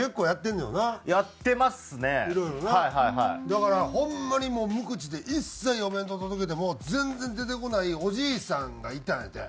だからホンマに無口で一切お弁当届けても全然出てこないおじいさんがいたんやって。